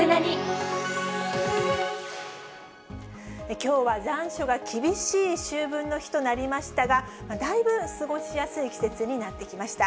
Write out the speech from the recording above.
きょうは残暑が厳しい秋分の日となりましたが、だいぶ過ごしやすい季節になってきました。